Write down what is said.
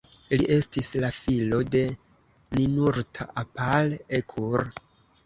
Li estis la filo de Ninurta-apal-ekur.